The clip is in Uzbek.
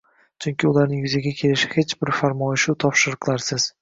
chunki ularning yuzaga kelishi hech bir farmoyishu topshiriqlarsiz